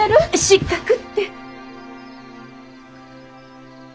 失格って。